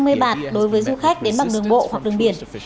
và một trăm năm mươi bạt đối với du khách đến bằng đường bộ hoặc đường biển